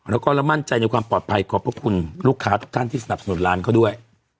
แล้วก็เรามั่นใจปลอดภัยขอบคุณลูกค้าท่านที่สนับสนุนร้านเขาด้วย